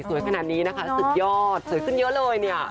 สวยขนาดนี้นะคะสุดยอดสวยขึ้นเยอะเลยเนี่ย